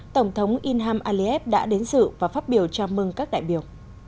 tổng thống inham aliyev đã đến dự và phát biểu chào mừng các đại biểu